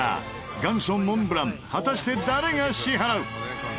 元祖モンブラン果たして誰が支払う？